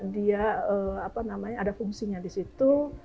dia ada fungsinya di situ